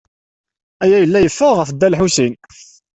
Aya yella yeffeɣ ɣef Dda Lḥusin.